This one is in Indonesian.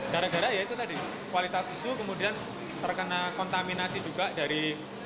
gara gara ya itu tadi kualitas susu kemudian terkena kontaminasi juga dari